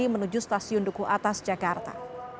menuju stasiun duku atas jakarta